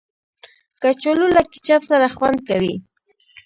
کچالو له کیچپ سره خوند کوي